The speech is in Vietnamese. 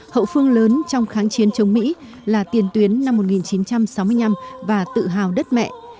hậu phương lớn trong kháng chiến chống mỹ là tiền tuyến năm một nghìn chín trăm sáu mươi năm và tự hào đất mẹ